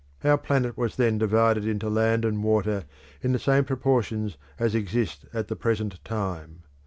Our planet was then divided into land and water in the same proportions as exist at the present time.